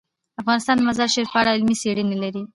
افغانستان د مزارشریف په اړه علمي څېړنې لري.